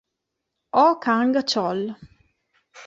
O Kang-chol